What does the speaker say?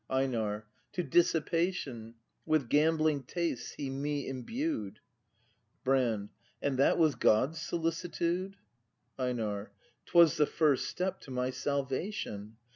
EiNAR. To dissipation. With gambling tastes He me imbued — Brand. And that was God's solicitude? EiNAR. 'Twas the first step to my salvation.